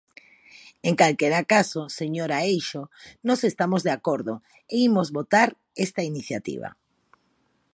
En calquera caso, señora Eixo, nós estamos de acordo e imos votar esta iniciativa.